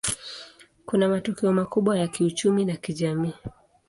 Kuna matokeo makubwa ya kiuchumi na kijamii.